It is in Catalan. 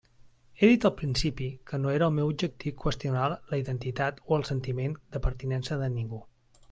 He dit al principi que no era el meu objectiu qüestionar la identitat o el sentiment de pertinença de ningú.